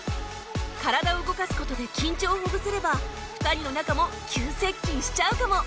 体を動かす事で緊張をほぐせれば２人の仲も急接近しちゃうかも？